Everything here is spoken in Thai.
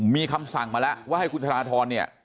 มีคำสั่งมาแล้วว่าให้คุณธนทรเนี่ย